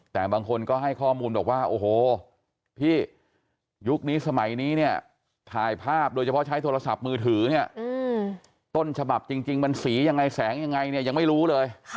แต่บางคนก็ให้ข้อมูลบอกว่าโอ้โหพี่ยุคนี้สมัยนี้เนี่ยถ่ายภาพโดยเฉพาะใช้โทรศัพท์มือถือเนี่ยต้นฉบับจริงมันสียังไงแสงยังไงเนี่ยยังไม่รู้เลย